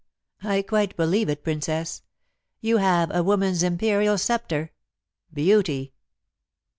"I quite believe it, Princess. You have woman's imperial sceptre beauty."